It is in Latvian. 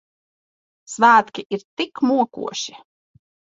Svētki ir tik mokoši.